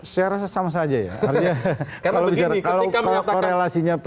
saya rasa sama saja ya